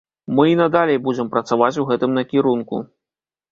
Мы і надалей будзем працаваць у гэтым накірунку.